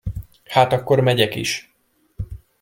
Hát akkor megyek is!